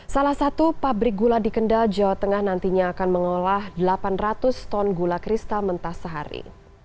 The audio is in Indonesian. salah satu pabrik gula di kendal jawa tengah nantinya akan mengolah delapan ratus ton gula kristal mentah sehari